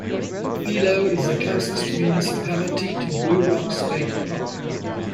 Philo is the closest municipality to Blue Rock State Park.